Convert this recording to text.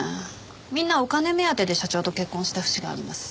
みんなお金目当てで社長と結婚した節があります。